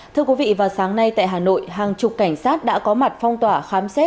thưa quý vị vào sáng nay tại hà nội hàng chục cảnh sát đã có mặt phong tỏa khám xét